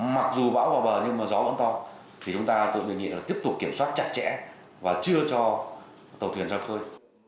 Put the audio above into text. mặc dù bão vào bờ nhưng mà gió vẫn to thì chúng ta cũng đề nghị là tiếp tục kiểm soát chặt chẽ và chưa cho tàu thuyền ra khơi